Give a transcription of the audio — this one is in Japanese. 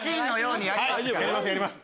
はいやりますやります。